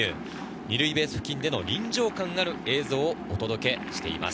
２塁ベース付近での臨場感ある映像をお届けしています。